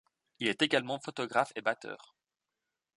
Il est également photographe et batteur.